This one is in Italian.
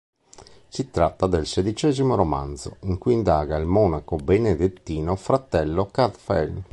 Si tratta del sedicesimo romanzo in cui indaga il monaco benedettino Fratello Cadfael.